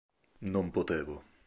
Non potevo.